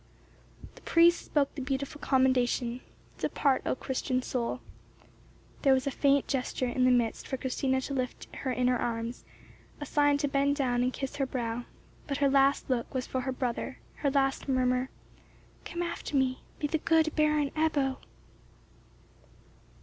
The priest spoke the beautiful commendation, "Depart, O Christian soul." There was a faint gesture in the midst for Christina to lift her in her arms—a sign to bend down and kiss her brow—but her last look was for her brother, her last murmur, "Come after me; be the Good Baron Ebbo."